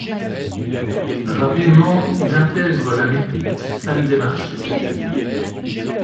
Rapidement, il intègre la mythique salle des marchés.